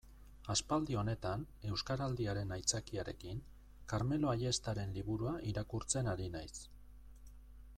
Aspaldi honetan, Euskaraldiaren aitzakiarekin, Karmelo Ayestaren liburua irakurtzen ari naiz.